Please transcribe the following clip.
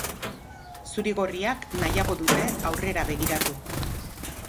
Zuri-gorriak nahiago dute aurrera begiratu.